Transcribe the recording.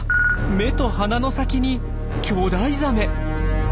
目と鼻の先に巨大ザメ。